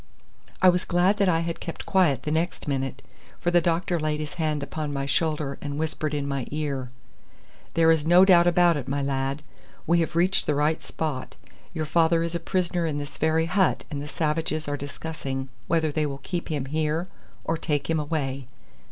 I was glad that I had kept quiet the next minute, for the doctor laid his hand upon my shoulder and whispered in my ear: "There is no doubt about it, my lad. We have reached the right spot. Your father is a prisoner in this very hut, and the savages are discussing whether they will keep him here or take him away."